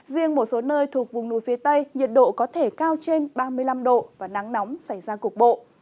riêng một số nơi thuộc vùng núi phía tây nhiệt độ có thể cao trên ba mươi năm độ và nắng nóng xảy ra cục bộ